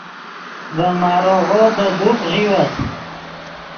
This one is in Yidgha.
ڤے ماریغو دے دوک غیوت